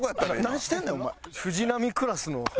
何してんねんお前。